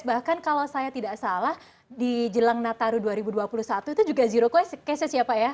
bahkan kalau saya tidak salah di jelang nataru dua ribu dua puluh satu itu juga zero cost cases ya pak ya